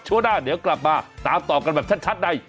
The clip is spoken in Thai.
ช่วงหน้าเดี๋ยวกลับมาตามต่อกันแบบชัดใน